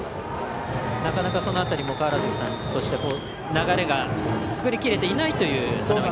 なかなかその辺りも川原崎さんとしては流れが作りきれていないという。